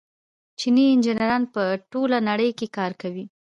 چیني انجنیران په ټوله نړۍ کې کار کوي.